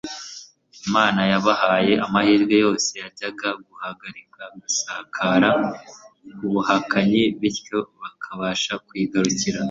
Imana yabahaye amahirwe yose yajyaga guhagarika gusakara kubuhakanyi bityo bakabasha kuyigarukira